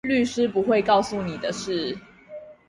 律師不會告訴你的事